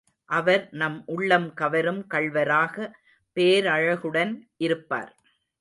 அவர் நம் உள்ளம் கவரும் கள்வராக பேரழகுடன் இருப்பார்.